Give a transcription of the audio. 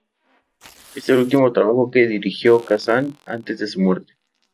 Es el último trabajo que dirigió Kazan antes de su muerte.